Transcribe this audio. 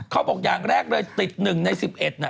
เขาบอกอย่างแรกเลยติด๑ใน๑๑น่ะ